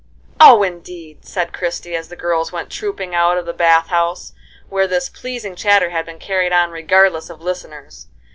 "Oh, indeed!" said Christie, as the girls went trooping out of the bath house, where this pleasing chatter had been carried on regardless of listeners.